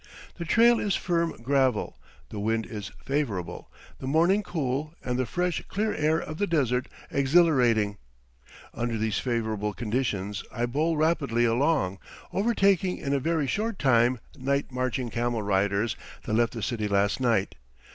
The trail is firm gravel, the wind is favorable, the morning cool, and the fresh, clear air of the desert exhilarating; under these favorable conditions I bowl rapidly along, overtaking in a very short time night marching camel riders that left the city last night.